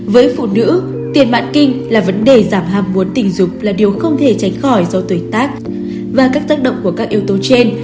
với phụ nữ tiền mãn kinh là vấn đề giảm ham muốn tình dục là điều không thể tránh khỏi do tuổi tác và các tác động của các yếu tố trên